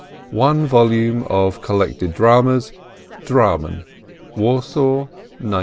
one volume of collected dramas, Dramen, Warsaw, 1909.